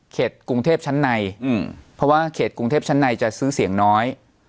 กรุงเทพชั้นในเพราะว่าเขตกรุงเทพชั้นในจะซื้อเสียงน้อย